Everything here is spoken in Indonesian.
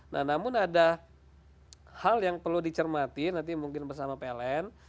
nah namun ada hal yang perlu dicermati nanti mungkin bersama pln